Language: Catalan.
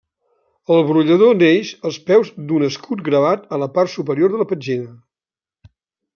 El brollador neix als peus d'un escut gravat a la part superior de la petxina.